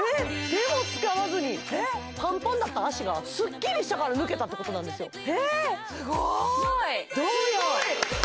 手も使わずにパンパンだった脚がスッキリしたから抜けたってことなんですえどうよ？